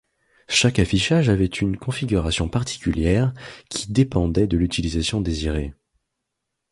Chaque affichage avait une configuration particulière qui dépendait de l'utilisation désirée.